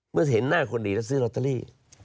เมื่อจะเห็นหน้าคนดีจะซื้อไลฟ์โลตเตอรี่